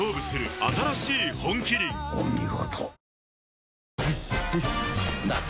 お見事。